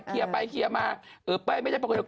เคลียร์ไปเคลียร์มาเออไปไม่ได้ประโยชน์